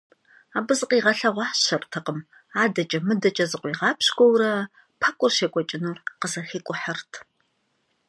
Абы зыкъигъэлъэгъуащэртэкъым – адэкӀэ-мыдэкӀэ зыкъуигъапщкӀуэурэ пэкӀур щекӀуэкӀынур къызэхикӀухьырт.